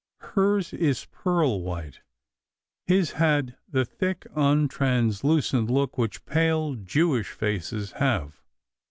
Hers is pearl white; his had the thick, un Iranslucent look which pale Jewish faces have.